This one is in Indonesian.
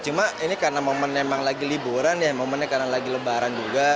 cuma ini karena momen emang lagi liburan ya momennya karena lagi lebaran juga